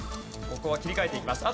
ここは切り替えていきます。